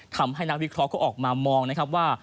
ทำให้นางวิเคราะห์เขาออกมามองนะครับว่า